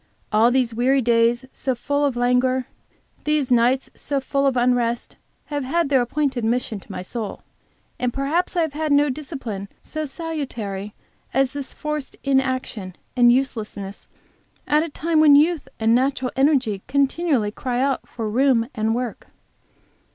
All these weary days so full of languor, these nights so full of unrest, have had their appointed mission to my soul. And perhaps I have had no discipline so salutary as this forced inaction and uselessness, at a time when youth and natural energy continually cried out for room and work.